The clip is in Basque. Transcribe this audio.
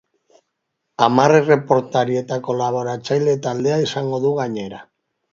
Hamar erreportari eta kolaboratzaile taldea izango du gainera.